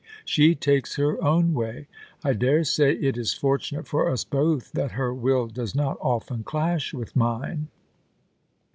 She takes her own way. I dare say it is fortunate for us both that her will does not often clash with mine.